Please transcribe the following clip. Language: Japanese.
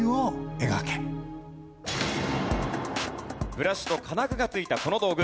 ブラシと金具が付いたこの道具